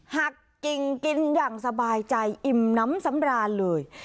หักกิ่งกินอย่างสบายใจอิ่มน้ำสำราญเลย